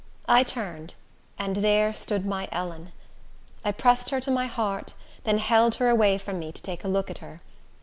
I turned, and there stood my Ellen! I pressed her to my heart, then held her away from me to take a look at her.